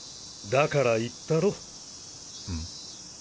だから言ったろ？